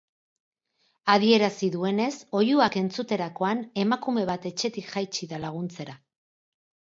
Adierazi duenez, oihuak entzuterakoan emakume bat etxetik jaitsi da laguntzera.